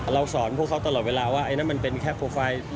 สอนพวกเขาตลอดเวลาว่าไอ้นั่นมันเป็นแค่โปรไฟล์